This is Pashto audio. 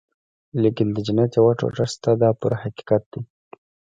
لیکن د جنت یوه ټوټه شته دا پوره حقیقت دی.